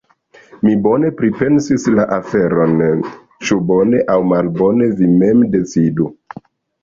Mi bone pripensis la aferon… ĉu bone aŭ malbone vi mem decidu.